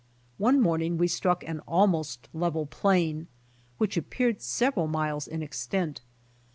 One morning we struck an almost level plain which appeared several miles in extent.